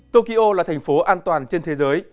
tokyo là thành phố an toàn trên thế giới